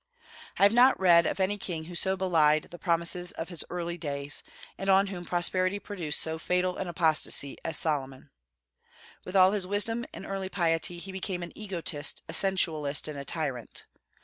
I have not read of any king who so belied the promises of his early days, and on whom prosperity produced so fatal an apostasy as Solomon. With all his wisdom and early piety, he became an egotist, a sensualist, and a tyrant.